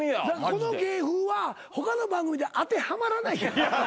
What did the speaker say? この芸風は他の番組で当てはまらないやん。